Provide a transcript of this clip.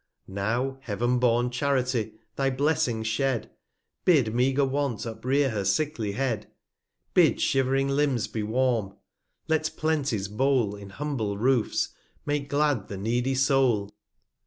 320 Now, Heav'n born Charity , thy Blessings shed ; Bid meagre Want uprear her sickly Head: Bid shiv'ring Limbs be warm ; let Plenty's Bowie, In humble Roofs, make glad the needy Soul.